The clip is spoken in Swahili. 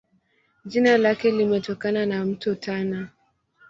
Jina lake limetokana na Mto Tana.